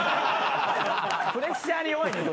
プレッシャーに弱い。